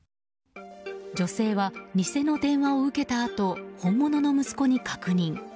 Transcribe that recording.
女性は嘘の電話を受けたあと本物の息子に確認。